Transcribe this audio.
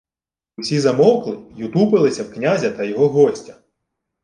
Усі замовкли й утупилися в князя та його гостя.